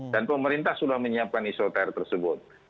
dan pemerintah sudah menyiapkan esoter tersebut